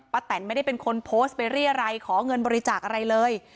แตนไม่ได้เป็นคนโพสต์ไปเรียรัยขอเงินบริจาคอะไรเลย